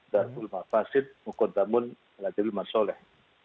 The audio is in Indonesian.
darul mafasid mukodamun lathil ma'asoleh